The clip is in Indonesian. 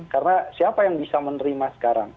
karena siapa yang bisa menerima sekarang